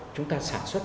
chúng ta sản xuất